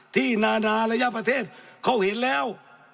ที่นานาระยะประเทศเขาเห็นแล้ว